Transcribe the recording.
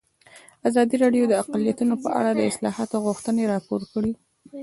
ازادي راډیو د اقلیتونه په اړه د اصلاحاتو غوښتنې راپور کړې.